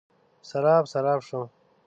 سراب، سراب شوم